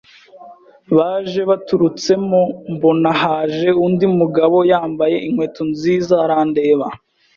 baje baturutsemo mbona haje undi mugabo yambaye inkweto nziza arandeba